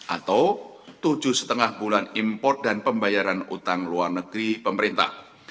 atau tujuh lima bulan import dan pembayaran utang luar negeri pemerintah